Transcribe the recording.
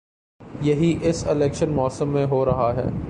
یہی اس الیکشن موسم میں ہو رہا ہے۔